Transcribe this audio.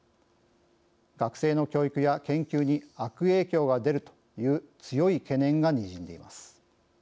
学生の教育や研究に悪影響が出るという強い懸念がにじんでいます。